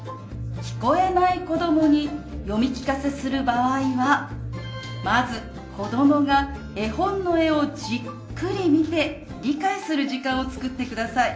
聞こえない子どもに読み聞かせする場合はまず子どもが絵本の絵をじっくり見て理解する時間を作ってください。